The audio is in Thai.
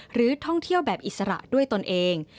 หรือท่องเที่ยวแบบอิสระด้วยตนเอง